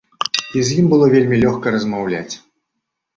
І з ім было вельмі лёгка размаўляць.